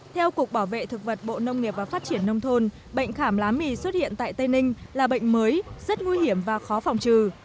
theo cục bảo vệ thực vật bộ nông nghiệp và phát triển nông thôn bệnh khảm lá mì xuất hiện tại tây ninh là bệnh mới rất nguy hiểm và khó phòng trừ